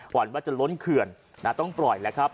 วันว่าจะล้นเขื่อนต้องปล่อยแล้วครับ